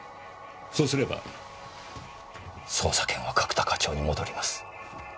そうすれば捜査権は角田課長に戻ります。